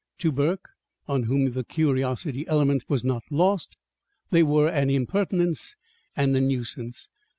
To Burke, on whom the curiosity element was not lost, they were an impertinence and a nuisance.